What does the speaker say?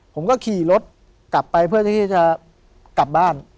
ผมก็ขี่รถกลับไปเพื่อที่จะกลับบ้าน